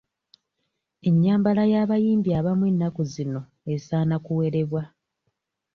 Ennyambala y'abayimbi abamu ennaku zino esaana kuwerebwa.